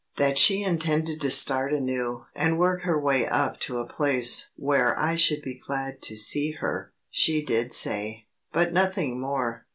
That she intended to start anew and work her way up to a place where I should be glad to see her she did say. But nothing more.